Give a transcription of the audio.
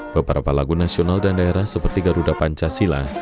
beberapa lagu nasional dan daerah seperti garuda pancasila